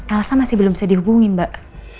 elsa masih belum bisa dihubungi mbak